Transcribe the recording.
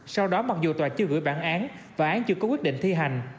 sau đó mặc dù tòa chưa gửi bản án và án chưa có quyết định thi hành